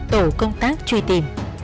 đồng bốn người